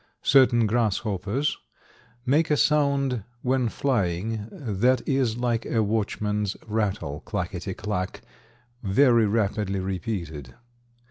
Certain grasshoppers make a sound when flying that is like a watchman's rattle clacketty clack, very rapidly repeated.